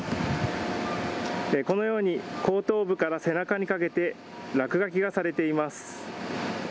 後頭部から背中にかけて落書きがされています。